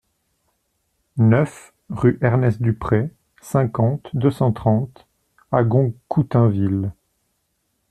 neuf rue Ernest Duprey, cinquante, deux cent trente, Agon-Coutainville